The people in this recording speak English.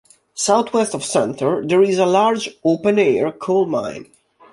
Southwest of Center, there is a large open air coal mine.